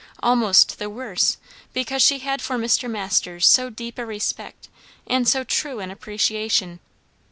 Almost the worse because she had for Mr. Masters so deep a respect and so true an appreciation.